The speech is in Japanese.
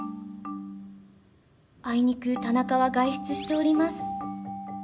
あいにく田中は外出しております。